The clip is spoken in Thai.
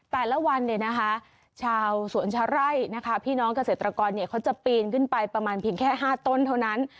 แต่ละวันชาวสวนชะไร่พี่น้องเกษตรกรเขาจะปีนขึ้นไปประมาณแค่๕ต้นเท่านั้น